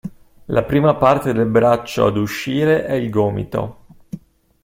La prima parte del braccio ad uscire è il gomito.